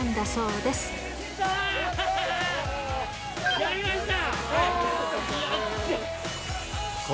やりました！